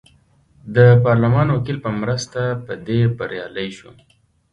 د پارلمان وکیل په مرسته په دې بریالی شو.